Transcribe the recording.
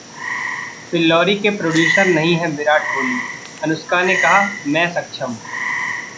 'फिल्लौरी' के प्रोड्यूसर नहीं हैं विराट कोहली, अनुष्का ने कहा- मैं सक्षम